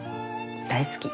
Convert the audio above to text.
大好き。